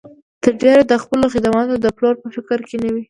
تر ډېره د خپلو خدماتو د پلور په فکر کې نه وي.